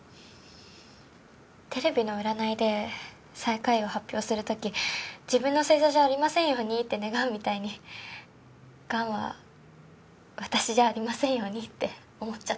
テレビの占いで最下位を発表する時自分の星座じゃありませんようにって願うみたいに癌は私じゃありませんようにって思っちゃった。